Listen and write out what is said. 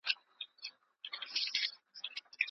تور او سور زرغون بیرغ به نه رپیږي